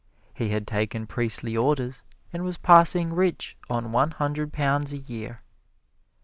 He had taken priestly orders and was passing rich on one hundred pounds a year.